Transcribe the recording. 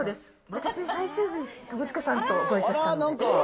私、最終日、友近さんとご一緒したんです。